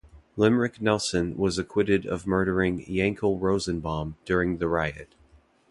Lemrick Nelson was acquitted of murdering Yankel Rosenbaum during the riot.